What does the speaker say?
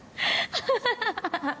ハハハハ。